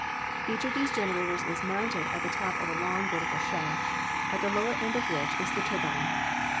Each of these generators is mounted at the top of a long, vertical shaft, at the lower end of which is the turbine.